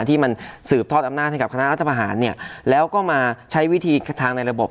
ที่มันสืบทอดอำนาจให้กับคณะรัฐประหารเนี่ยแล้วก็มาใช้วิธีทางในระบบ